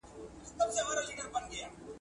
د هیلې په خړو سترګو کې تورې حلقې لیدل کېدې.